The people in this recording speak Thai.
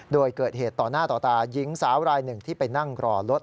โดยเกิดเหตุต่อหน้าต่อตาหญิงสาวรายหนึ่งที่ไปนั่งรอรถ